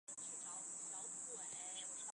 令她知名度日渐提升的影视歌曲也收录其中。